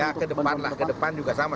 ya ke depan lah ke depan juga sama